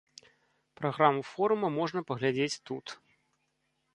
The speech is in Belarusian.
Праграму форума можна паглядзець тут.